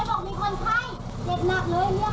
แรงกลัวรถที่โรงพยาบาล